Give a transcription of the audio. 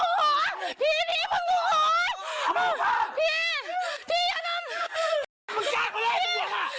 พี่